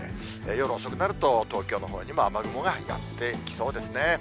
夜遅くなると、東京のほうにも雨雲がやって来そうですね。